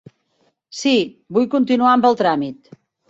Sí, vull continuar amb el tràmit.